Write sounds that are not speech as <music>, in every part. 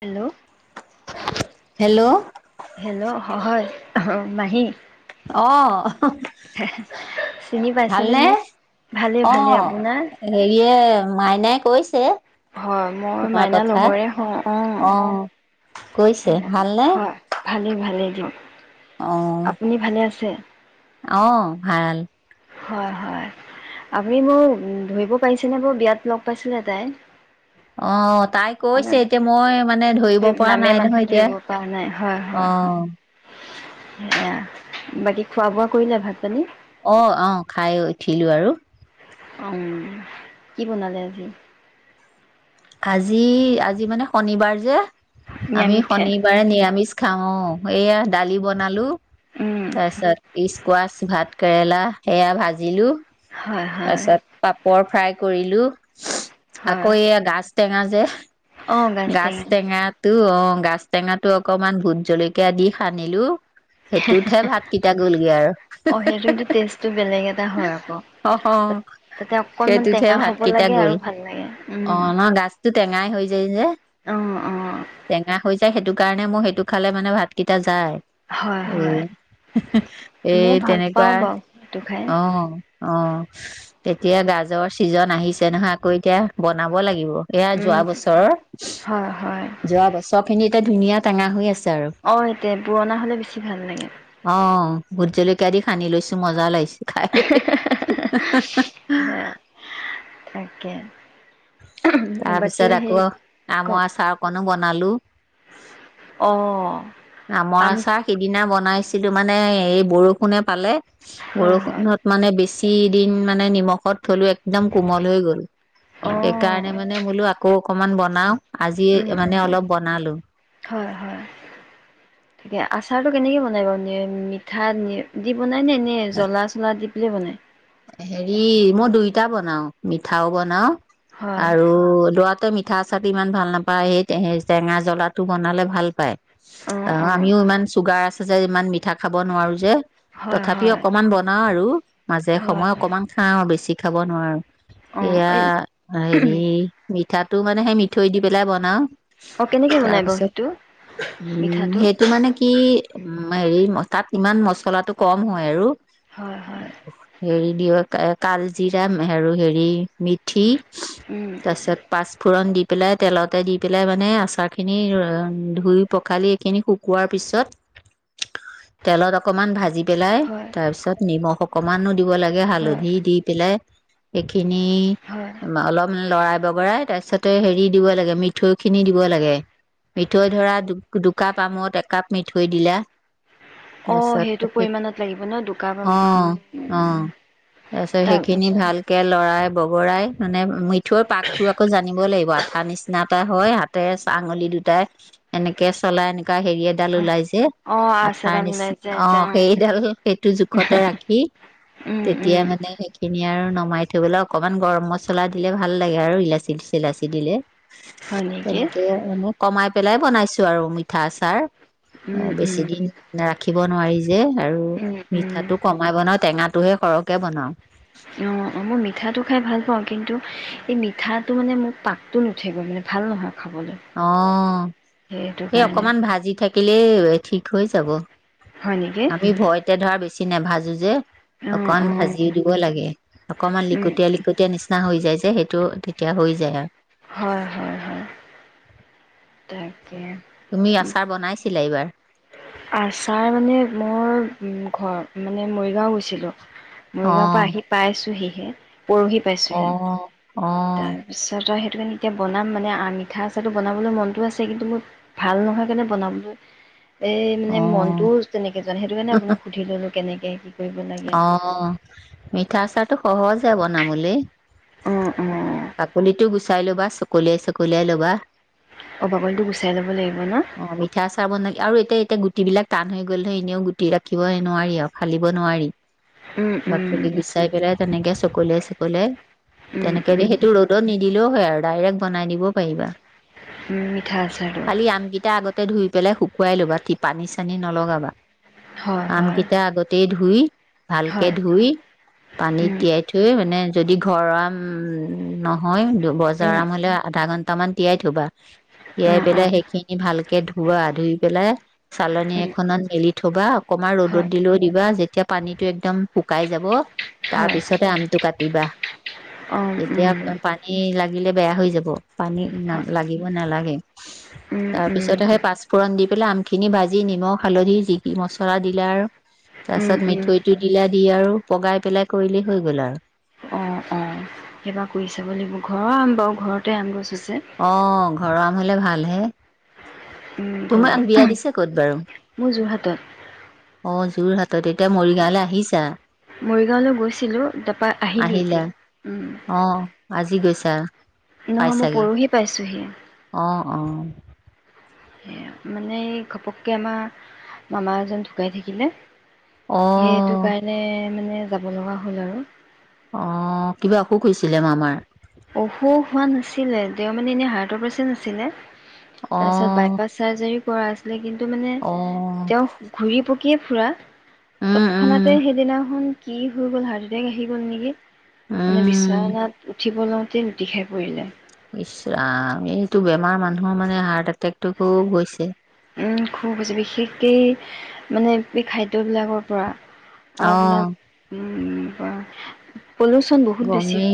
Hello, hello hello হয়। অ' মাহী। অ চিনি '। পাইছেনে ভালনে? মোক? ভালেই অ', ভালেই আপোনাৰ? হেৰি এ, মাইনাই কৈছে। হয়, মইও তোমাৰ মইনাৰ কথা লগৰে হও, অ'। কৈছে, ভালনে? ভালেই অ <unintelligible> আপুনি ভালে আছে? <unintelligible> অ', ভাল। হয় হয়, আপুনি মোক ধৰিব পাৰিছেনে বাৰু? বিয়াত লগ পাইছিলে তাই। অ'- অট্। তাই কৈছে, এতিয়া মই মানে ধৰিব ধৰি পৰা নামে নাই মানুহে নহয় এতিয়া, ধৰিব পৰা অ'। ইয়া, বাকী খোৱা বোৱা কৰিলা ভাত পানী? অ'--অ', খাই উঠিলোঁ আৰু। অ', কি বনালে আজি? আজি, আজি মানে শনিবাৰ যে? আমি নিৰামিষ খাই শনিবাৰে নিৰামিষ খাওঁ অ' এইয়া দালি বনালোঁ। উম তাৰ পাছত ইছকুৱাছ ভাত কেৰেলা সেয়া ভাজিলোঁ। হয় হয় পাপৰ ফ্ৰাই কৰিলোঁ। আকৌ হয়। এইয়া গাছ টেঙা যে অ', গাজ গাছ টেঙা টেঙাটো, অ'। গাছ টেঙাটো অকণমান ভোট জলকীয়া দি সানিলোঁ। সেইটোহে ভাত কেইটা গ'লগে আৰু। অ', সেইটো কিন্তু টেষ্টটো বেলেগ এটা হয় আকৌ তাত তাতে অকনমান সেইটোতহে টেঙা ভাত হ'ব কেইটা লাগে গ'ল, আৰু ভাল লাগে অ' উম গাছটো টেঙাই হৈ যায় যে, অ', অ', টেঙা হৈ যায় সেইটোক কাৰণে মোৰ সেইটো খালে মানে ভাত কেইটা যায়। হয়, এই, হয় এই ময়ো ভাল পাওঁ তেনেকুৱাত, বাৰু সেইটো খাই অ'। অ' এতিয়া গাজৰ ছিজন আহিছে নহয়, আকৌ এতিয়া বনাব লাগিব। এইয়া উম যোৱা বছৰৰ, হয়, হয় যোৱা বছৰখিনিত ধুনীয়া টেঙা হৈ আছে। আৰু অ' এতিয়া পুৰণা হ'লে বেছি ভাল লাগে। অ ভোট জলকীয়া দি সানি লৈছোঁ মজা লাগিছে। খাই <inaudible> হে <inaudible> তাকে। তাৰ বাকী পিছত সেই আকৌ কওক আমৰ আচাৰ অকনো ব বনালোঁ। অ-অ। আমৰ আচাৰ সিদিনা বনাই ছিলোঁ মানে এই বৰষুণে পালে। হয়, হয় বৰষুণত মানে বেছি <unintelligible> মানে নিমখত থলোঁ, <unintelligible> <unintelligible> অ', সেইকাৰণে মানে মুলো আকৌ <unintelligible> বনাও আজি উম, এ উম মানে অলপ বনালোঁ <unintelligible> আচাৰ টো কেনেকে বনায় বাৰু <unintelligible> <unintelligible> নে এনে জ্বলা-চলা <unintelligible> <unintelligible> হেৰি মই দুইটা বনাও, মিঠাও বনাও হয় আৰু লৰাটোৱে <unintelligible> <unintelligible> আচাৰ টো ইমান ভাল নাপায়। সেই <unintelligible> টেঙা জ্বলাটো বনালে ভাল পায়। অ', <unintelligible> অ', আমিও ইমান চুগাৰ <unintelligible> <unintelligible> ইমান মিঠা খাব নোৱাৰোঁ যে হয়, তথাপি হয়, অকমান বনা আৰু <inaudible> <unintelligible> হয়, সময় হয়, অকমান <unintelligible> <unintelligible> নোৱাৰোঁ অ', এয়া এই হেৰি <unintelligible> <unintelligible> মানে সেই মিঠৈ দি পেলাই বনাও, অ', কেনেকে বনাই বাৰু তাৰপিছত সেইটো হমম মিঠাটো? সেইটো মানে কি? হমম হেৰি <unintelligible> ইমান মচলাটো কম হয় আৰু হয় হয় হেৰি দিয়ক আ কালজিৰা <unintelligible> আৰু হেৰি মেথি <unintelligible> উম, তাচত পাঁচফুৰণ <unintelligible> <unintelligible> তেলতে দি পেলাই মানে আচাৰখিনি <unintelligible> ধুই পখালি এইখিনি শুকুৱাৰ পিছত <unintelligible> তেলত অকমান ভাজি পেলাই হয়, তাৰ পিছত নিমখ <unintelligible> <unintelligible> <unintelligible> লাগে হয়, হালধি দি পেলাই এইখিনি হয়, <unintelligible> অলপ লৰাই বগৰাই তাৰ পিছতে হেৰি দিব লাগে মিঠৈ খিনি দিব লাগে। মিঠৈ ধৰা দুকাপ আমত একাপ মিঠৈ দিলা ও তাৰপিছত সেইটো পৰিমাণত লাগিব ন দুকাপ <unintelligible> ও, <unintelligible> সেইখিনি তাৰপিছত ভালকে <unintelligible> <unintelligible> বগৰাই <unintelligible> মিঠৈৰ পাগটো আকৌ জানিব <unintelligible> <unintelligible> নিচনা এটা হয় হাতেৰে আঙুলি দুটাএ এনেকে <unintelligible> কাৰ হিৰি ডাল অ', ওলাইছে অ', আচাৰ আঠাৰ ডাল ওলাই নিচিনা যায় অ যে সেইডাল সেইটো জোখতে ৰাখি। উম, তেতিয়া উম, মানে সেইখিন নিয়া আৰু নমাই থবলৈ অকমান গৰম মচলা দিলে ভাল লাগে আৰু ইলাচী থিলাচি দিলে। হয় নেকি? কেনে কে মানে কুমাইত পেলাই বনাইছো আৰু মিঠা আচাৰ অ উম, বেছি উম, দিন নাৰাখিবি। বনুৱাইছ দে আৰু উম, মিঠা উম। টো কমাই বনা, হাঁহ টোৱে সৰকে বনাও। মই মিঠা টো খাই ভাল পাওঁ কিন্তু ই মিঠা টো মানে পাক টো নুঠে ভাল নহয় খাবলৈ অ সেইটো সেই কাৰণে অকমান ভাজি থাকি কেলেই হলে ঠিক হৈ যাব। হয় নেকি আমি ভয়তে ধাৰা বেছি কি না ভাঁজ যে, অ', অকমান অ', ভাজি দিব লাগে অকমান উম, লিকটিয়া লিকটিয়া নিচিনা হৈ যায় যে সেইটো তেতিয়া হৈ যায় আৰু হয়, হয়, হয়। <unintelligible> তুমি আচাৰ বনাইছিলা এইবাৰ আচাৰ মানে মোৰ ঘৰ মানে মৰিগাঁও গৈছিলোঁ অ মৰিগাঁও পৰা পাইছো হি <unintelligible> পৰহী অ পাইছো হী অ তাৰপিছত আও সেইটো কাৰণে এতিয়া বনাম মানে আ মিঠা আচাৰটো বনাবলৈ মনটো আছে, কিন্তু মোৰ ভাল নহয় কাৰণে বনাব অ <unintelligible> <unintelligible> অ মিঠা চাহ টো সহজে বনাবলে অঁ অঁ বাকলিটো গুচাই লুবা চ কলিয়াই চকলিয়াই ল'বা। অঁ বাকলিটো গুচাই ল'ব লাগিব ন অ' মিঠা চাহ বনাবি গুটিবিলাক টান হৈ গ'লে এনেও গুটি ৰাখিবই নোৱাৰিয়েই আও, ফালিব নোৱাৰি। উম, উম, বাকলি গুচাই পেলাই তেনেকে সুকুলিয়াই সুকুলীয়াই উম, তেনেকে উম, দি সেইটো ৰদত নিদিলে হয় আৰু ডাইৰেক বনাই দিবও পাইবা। উম, মিঠা আচাৰটো <inaudible> আলি আমগিতা ধোই পেলে শুকুৱাই ল'বা তি পানী-চানী নলগাবা। হয় <inaudible> হয় আমকিতা আগতেই ধু গুই। ভালকে হয় ধোই, পানীত তিয়াই থৈ মানে যদি ঘৰ আম-ম-ম নহয়। বজাৰ আমলে আধাঘ টামান তিয়াই থ'বা <inaudible> তিয়াই অঁ পেলাই অঁ সেইখিনি ভাল কে ধোৱা ধুই পেলাই <inaudible> চালনী হয় এখনত মেলি থ'বা অকমা ৰ'দত হয় দিলেও দিবা যে তিয়া পানীত। টো একদম শুকাই যাব। তাপিছতে আম। টো কাটিবা, অঁ <inaudible> এতিয়াপ এ পানীই লাগিলে বেয়া হৈ যাব, পানী না হয় লাগিব নেলাগে। তাৰপিছতে সে পাঁচফূৰণ দি পেলাই আমখিনি ভাজি নিমখ, হালধি যি মচৰা দিলা আৰু। তাছত মিঠ লা দি আৰু পগাই পেলাই কৰিলেই হৈ গ'ল আৰু। এবা কই চাব লাগিব ঘৰ আম বাউ ঘৰতে আম গছ আছে। অ, অ ঘৰ আম। হ'লে ভাল হে উম, <inaudible> ঘৰ তোমাক বিয়া দিছে ক'ত বাৰু? মোৰ যোৰহাটত। অ', যোৰহাটত এতিয়া মৰিগাৱলে আহিছা? <inaudible> আহিলা? অ। আজি গৈছা? নহয় মই পাইছাগে পৰহি পাইছোঁহি। অ', অ' অ'। মানেই ঘপক্কে আমা, মামা এজন ঢুকাই থাকিলে। অ হেটো কাৰণেএ মান এ যাব লগা হ'ল আৰু। অ' কিবা অসুখ হৈছিলে মামাৰ? অসুস হোৱা নাছিলে, তেওঁ মানে এনে হাৰ্ট পেচেন আছিলে। অ তাইছত বাইপাছ চাজাৰী <inaudible> মানে অ তেওঁ ঘূৰিব উম তৎক্ষণাতে উম সেইদিনা খন কি হৈ গোল হাৰ্ট এটেক আহি গোল নেকি উম <inaudible> <inaudible> ইচ ৰাম এইটো বেমাৰ মানুহৰ মানে হাৰ্ট এটেক টো খুব হৈছে উম্ খুব হৈছে। বিশেষকে খাদ্য বিলাকৰ পৰা ও‌ অ বলা অম <inaudible> গমে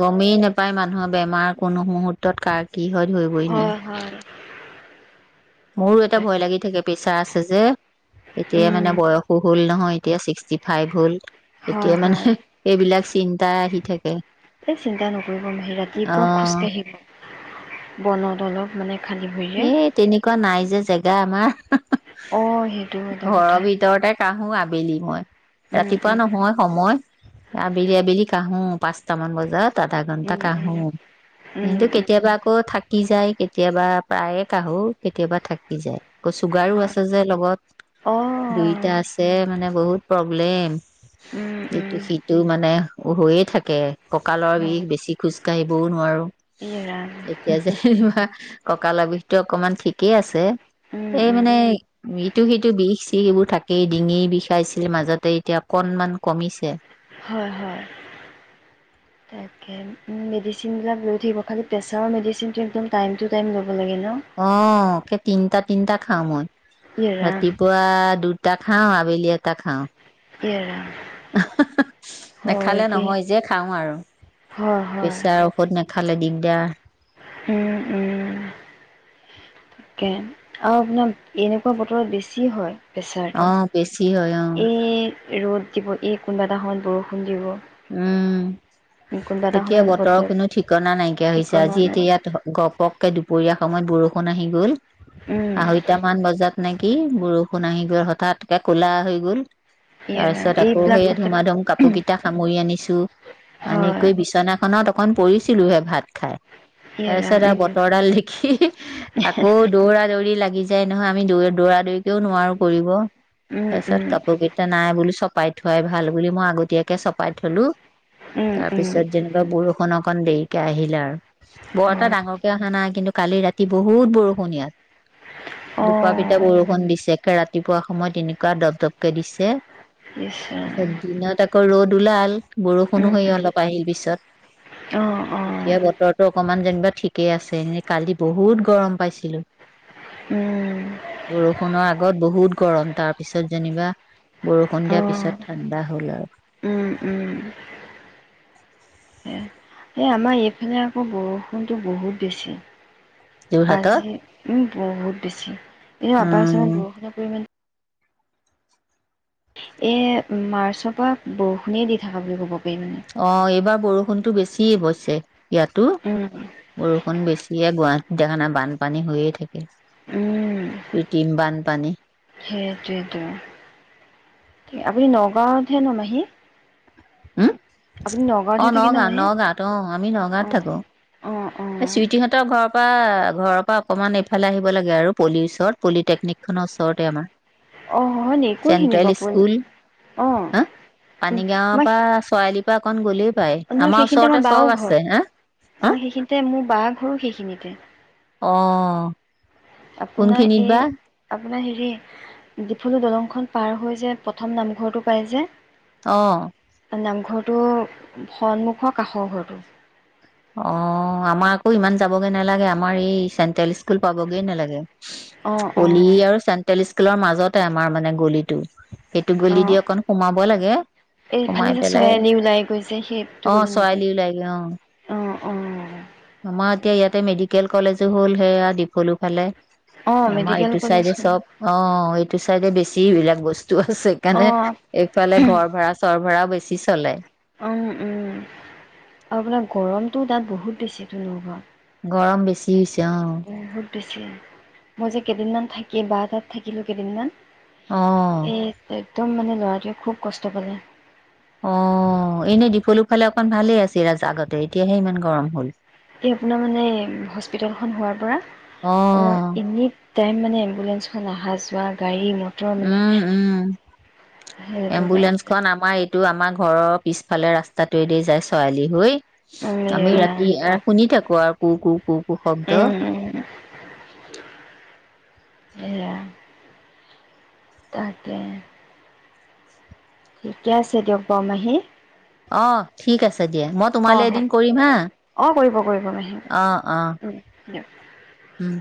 গমেই নেপাই মানুহৰ বেমাৰ কোনো মুহূৰ্তত কাৰ কি হয় ধৰিবই নোৱাৰি হয় হয় মোৰো এটা তাক ভয় লাগি থাকে প্ৰেচাৰ আছ জে এতিয়া উম মানে বয়সো হ'ল নহয় এতিয়া ছিক্সটি ফাইভ হল হয় এতিয়া হয় মানে এইবিলাক দিনাটাই আহি থাকে এ চিন্তা নকৰিব মাহী। অ ৰাতিপুৱা খোজ কাঢ়িব <inaudible> এ তেনেকুৱা নাই যে জেগা আমাৰ <inaudible> অ সেইটো এটা কথা উম ৰাতিপুৱা উম নহয় সময়। আবেলি আবেলি কাঢ়ো পাঁচ টা মান বজাত আধা ঘণ্টা উম কাঢ়ো। উম উম কিন্তু উম কেতিয়াবা আকৌ থাকি যায় কেতিয়াবা প্ৰায়ে <unintelligible> কেতিয়াবা থাকি যায়। ক চুগাৰো হয় আছে যে লগত অ দুইটা আছে মানে বহুত প্ৰব উলাই উম আ উম আৰু সিতু মানে হৈয়েই থাকে কঁকালৰ বিখ হয় বেছি খোজ কাঢ়িব ও নোৱাৰোঁ এই ৰাম এতিয়া যে <inaudible> ককালৰ বিষটো অকমান দিকেই আছে। উম এ উম মানে ইটো সিটো বিষ চিষ এইবোৰ থাকেই ডিঙি বিষাইছিল মাজতে এতিয়া অকণমান কমিছে। হয় - হয়, তাকে মেডিচিন বিলাক লৈ থাকিব খালি প্ৰেসাৰৰ মেডিচিনটো টাইম টু টাইম লব। লাগে ন অঅ কে তিনটা তিনটা খাও মই। ইয়ে ৰাম ৰাতিপুৱা দুটাত খাও, আবেলি এটা খাও। ইয়ে ৰাম হয় নেখালে দেই নহয় যে খাও আৰু। হয় হয় ইয়া। উম', উম', কেন অ' আপোনাৰ এনেকুৱা বতৰত বেছি হয়। প্ৰেছাৰটো। অ' বেছি হয় অ'। এই ৰ'দ দিব, এই কোনোবা এটা সময়ত বৰষুণ দিব। উম। কোনোবা এটা এতিয়া সময়ত বতৰৰ বতৰ কোনো ঠিকনা নাইকিয়া হৈছে ঠিকনা আজি নাই এতিয়া ইয়াত গপ-গপ দুপৰীয়া সময়ত বৰষুণ আহি গ'ল। উম আহৈটামান বজাত নে এই বৰষুণ আহি গ'ল হঠাৎ, একে কুলা হৈ গ'ল। এই তাপিছত আকৌ এইবিলাক সেয়া কথা ধুমাধুম কাপোৰ কিটা সামই আনিছো। আনি হয় কৰি বিছনাখনত অ অকন পৰিছিলোহে ভাত খাই, ই ৰাম তাৰপিছত আৰু উম বতৰডাল দেখি আকৌ দৌৰা দৌৰি লাগি যে নহয় আমি দৌৱেত দৌৰা দৌইকেও নোৱাৰো কৰিব। উম তাছত উম কাপো গিটা নাই বোলো চপ পাই থোৱাই ভাল বুলি মই আগতীয়াকে চপ পাই থলো। উম উম তাৰপিছত যেনিবা বৰষুণ অহ অকন দেৰিকে আহিল আৰু। বৰ এটা হয় ডাঙৰকে অহা নাই কিন্তু কালি ৰাতি বহুত বৰষুণ ইয়াত। অ ডুপাপিতা বৰষুণ দিছে। ৰাতিপুৱা সময়ত এনেকুৱা ডপডপকে দিছে। ইছ তাপিছত ৰাম দিনত আকৌ ৰ'দ ওলাল। বৰষূণো উম হৈ অলপ আহিল পিছত। অ', অ'। এতিয়া বতৰটো অকমান যেনিবা ঠিকে আছে, এ কালি বহুত গৰম পাইছিলোঁ, উম বৰষুণৰ আগত বহুত গৰম তাৰ পিছত যেনিবা বৰষূণ অ দিয়াৰ পিছত ঠাণ্ডা হ'ল আৰু। উম উম এ আমাৰ এইফালে আকৌ বৰষূণটো বহুত বেছি। যোৰহাটত আজি, উম বহুত বেছি। এনেও আছামত উম বৰষুণৰ পৰিমাণ এ মাৰ্চৰ পৰা বৰষুণে দি থাকা বুলি ক'ব পাৰি মানে। অ' এইবাৰ বৰষুণটো বেছি অৱশ্যে। ইয়াতো, উম, বৰ অকন বেছিয়ে, গুৱাহাটীত দেখা নাই, বানপানী হৈয়েই থাকে, কৃত্ৰিম বানপানী। সেইটোৱেইটো, আপুনি নগাঁৱত হে ন, মাহী? হুম, আপুনি নগাঁৱতহে অ', থাকে ন নগাঁও, মাহী? নগাঁৱত, অ আমি নগাঁৱত অ', থাকোঁ। অ', এ, অ', চুইটি হতৰ ঘৰৰ পা পা, ঘৰৰ পৰা অকমান এইফালে আহিব লাগে আৰু, পুলিচৰ, পলিটেকনিক খনৰ ওচৰতে আমাৰ। অ', হয় নি কোনখিনি চেণ্ট্ৰেল বাৰু পৰি স্কুল। অ', হা, উম, পানীগাৱঁৰ মই পৰা চয়ালি অকন গলেই পায়, নহয় আমাৰ সেইখিনিতে ওচৰতে বাও চব আছে, হা, হা বাৰ ঘৰো সেইখিনিতে। অ'। আপোনাৰ কোনখিনিত এই, বা আপো পোনাৰ হেৰি, ডিফলু দলং খন পাৰ হৈ যে প্ৰথম নামঘৰটো পায় যে অ'। নামঘৰটো সন্মুখৰ কাষৰ ঘৰটো। অ', আমাৰ আকৌ ইমান যাবগৈ নালাগে, আমাৰ এই চেণ্ট্ৰেল স্কুল পাবগৈয়ে নালাগে। অ', পলি অ', আৰু চেণ্ট্ৰেল স্ক্ কুলৰ মাজতে আমাৰ মানে গলিটো। এইটো গলি দি অ', অকন সোমাব লাগে, এইফালে সোমাই যে পেলাই, চৰাইআলি ওলাই গৈছে সেইটো অ', গলি নেকি? ছয়ালি ওলাইগে অ'। অ', অ' আমাৰ এতিয়া ইয়াতে মেডিকেল কলেজো হ'ল সেয়া ডিফলু ফালে। অ', আমাৰ মেডিকেল এইটো কলেজ চাইডে খন চব, অ', এইটো চাইডে বেছি এইবিলাক বছ তু আছে কাৰণে অ', এইফালে ঘৰ ভাড়া, চৰ ভাড়াও বেছ ছি চলে। অ', উম। আও আপোনাৰ গৰমটো তাত বহুত বেছিতো নগাঁৱত। অ' বেছ <unintelligible> <unintelligible> বহুত বেছি। মই যে কেদিনমান থাকি, বা তাত থাকিলো কেদিনমান অ এ, তেত দম‌ মানে ল'ৰাটোৱে খুৱ কষ্ট পালে। ও এনে দিফুলু ফালে ভালে আছিল আগতে এতিয়াহে ইমান গৰম হল, এএ আপোনাৰ মানে হস্পিতালখন হোৱাৰ পৰা, অ ও এনিটাইম মানে এম্বুলেন্স আহা যোৱা গাড়ী মটৰ মানে উম উম সেইটো এম্বুলেন্স খন কাৰণে আমাৰ এইটো আমাৰ ঘৰৰ পিছফালে ৰাস্তাটোয়ে দি য়ায় ছোৱালী হৈ আমি মিৰা ৰাতি শুনি থাকো আৰু কু কু কুক শদ্ব উম এৰা তাকে ঠিকে আছে দিয়ক বাও মাহী। অ' ঠিক আছে দিয়া মই তোমাৰলে অ' এদিন কৰিম হা অ' কৰিব কৰিব মাহী অ' উম দিয়ক অ'